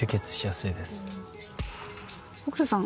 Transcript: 北斗さん